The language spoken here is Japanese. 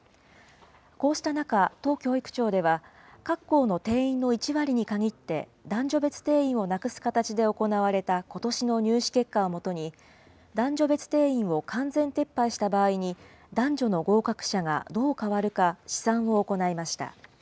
こうした中、都教育庁では各校の定員の１割にかぎって、男女別定員をなくす形で行われたことしの入試結果を基に、男女別定員を完全撤廃した場合に、男女の合格者がどう変わるか、試算を行いました。